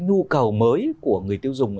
nhu cầu mới của người tiêu dùng